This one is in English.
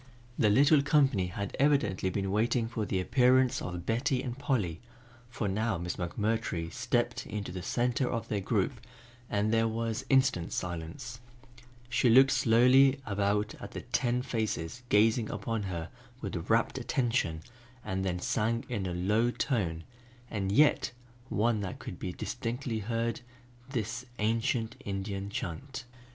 The little company had evidently been waiting for the appearance of Betty and Polly, for now Miss McMurtry stepped into the center of their group and there was instant silence. She looked slowly about at the ten faces gazing upon her with rapt attention and then sang in a low tone, and yet one that could be distinctly heard, this ancient Indian chant.